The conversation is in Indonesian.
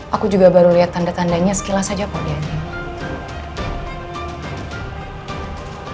aku juga baru lihat tanda tandanya sekilas aja kok di andin